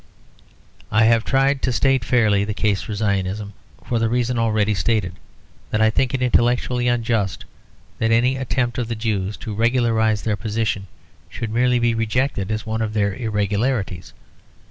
I have tried to state fairly the case for Zionism, for the reason already stated; that I think it intellectually unjust that any attempt of the Jews to regularise their position should merely be rejected as one of their irregularities.